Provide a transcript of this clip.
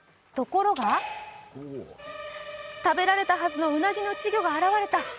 ところが、食べられたはずのうなぎの稚魚が現れた。